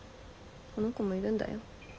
この子もいるんだよ。